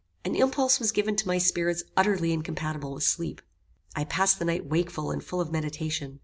An impulse was given to my spirits utterly incompatible with sleep. I passed the night wakeful and full of meditation.